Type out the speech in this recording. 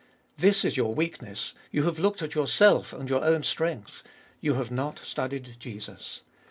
This is your weakness : you have looked at yourself and your own strength ; you have not studied Jesus